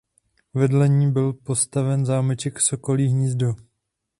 Vedle ní byl postaven zámeček Sokolí hnízdo.